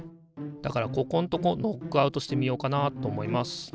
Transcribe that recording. だからここんとこノックアウトしてみようかなと思います。